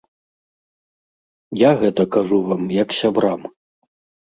Я гэта кажу вам, як сябрам.